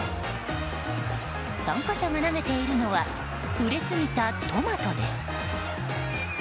参加者が投げているのはうれすぎたトマトです。